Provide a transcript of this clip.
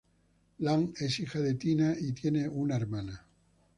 Lang es hija de Tina y tiene una hermana.